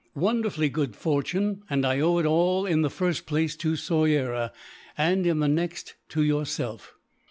"Wonderfully good fortune! and I owe it all, in the first place to Soyera, and in the next to yourself.